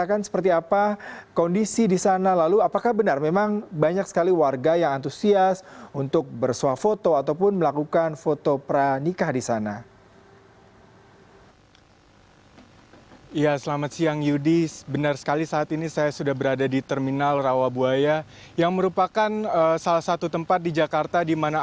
ada foto peranikah di sana